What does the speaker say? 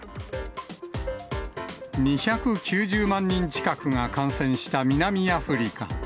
２９０万人近くが感染した南アフリカ。